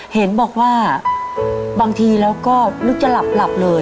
เห็นบอกว่าบางทีแล้วก็นึกจะหลับเลย